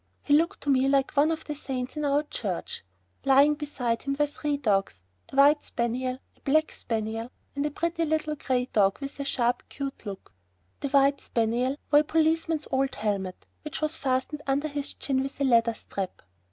He looked to me like one of the saints in our Church. Lying beside him were three dogs a white spaniel, a black spaniel, and a pretty little gray dog with a sharp, cute little look. The white spaniel wore a policeman's old helmet, which was fastened under its chin with a leather strap.